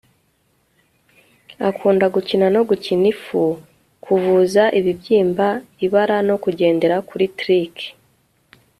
akunda gukina no gukina ifu, kuvuza ibibyimba, ibara no kugendera kuri trike